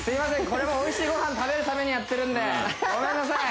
これもおいしいご飯食べるためにやってるんでごめんなさい